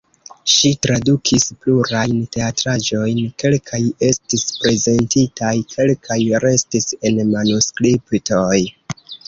Ŝi tradukis plurajn teatraĵojn, kelkaj estis prezentitaj, kelkaj restis en manuskriptoj.